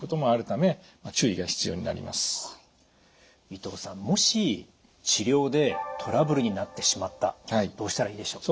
伊藤さんもし治療でトラブルになってしまったどうしたらいいでしょう？